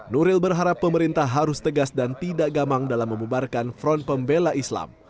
nuril berharap pemerintah harus tegas dan tidak gamang dalam memubarkan front pembela islam